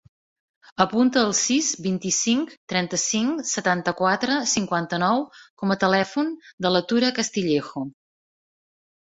Apunta el sis, vint-i-cinc, trenta-cinc, setanta-quatre, cinquanta-nou com a telèfon de la Tura Castillejo.